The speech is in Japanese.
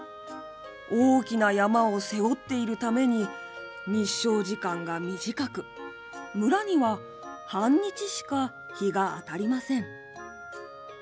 大きな山を背負っているために日照時間が短く村には半日しか日が当たりません。